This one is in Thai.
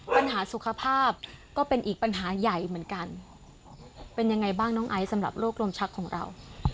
ปัญหาสุขภาพก็เป็นอีกปัญหาใหญ่เหมือนกันเป็นยังไงบ้างน้องไอซ์สำหรับโรคลมชักของเรา